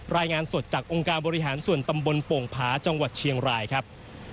รายงานสดจากองค์การบริหารส่วนตำบลโป่งผาจังหวัดเชียงรายครับ